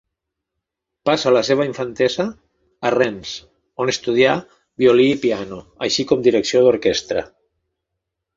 Passa la seva infantesa a Rennes on estudia violí i piano, així com direcció d'orquestra.